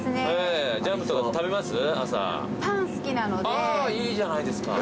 あぁいいじゃないですか。